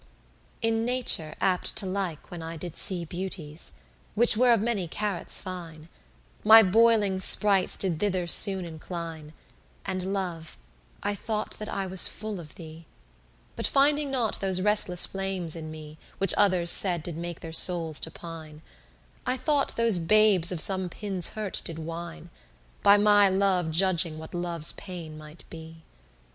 16 In nature apt to like when I did see Beauties, which were of many carats fine, My boiling sprites did thither soon incline, And, Love, I thought that I was full of thee: But finding not those restless flames in me, Which others said did make their souls to pine, I thought those babes of some pin's hurt did whine, By my love judging what love's pain might be.